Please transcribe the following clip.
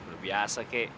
lu biasa ke